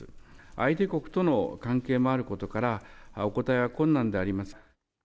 相手国との関係もあることから、お答えは困難であります。